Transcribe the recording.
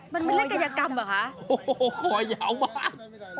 มันไม่เล่นกายกรรมเหรอคะโอ้โหคอยาวมาก